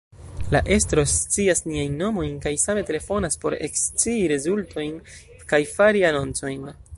La estro scias niajn nomojn, kaj same telefonas por ekscii rezultojn, kaj fari anoncojn.